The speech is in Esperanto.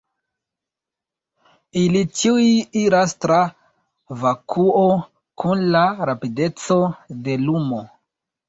Ili ĉiuj iras tra vakuo kun la rapideco de lumo.